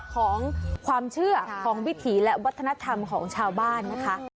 ของความเชื่อของวิถีและวัฒนธรรมของชาวบ้านนะคะ